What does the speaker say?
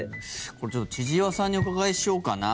これ、ちょっと千々岩さんにお伺いしようかな。